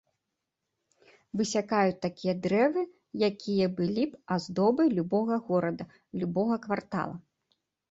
Высякаюць такія дрэвы, якія былі б аздобай любога горада, любога квартала!